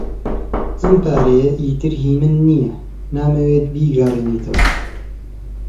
ئەم پارەیە ئیتر هی من نییە. نامەوێت بیگەڕێنیتەوە.